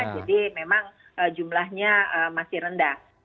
jadi memang jumlahnya masih rendah